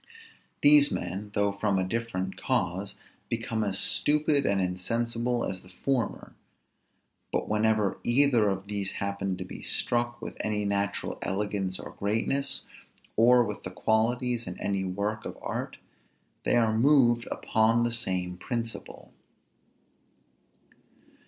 These men, though from a different cause, become as stupid and insensible as the former; but whenever either of these happen to be struck with any natural elegance or greatness, or with these qualities in any work of art, they are moved upon the same principle.